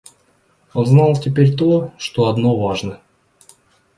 Он знал теперь то, что одно важно.